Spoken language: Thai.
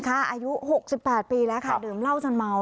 อายุ๖๘ปีแล้วเดิมเหล้าสันเมล